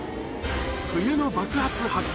冬の爆発・発火！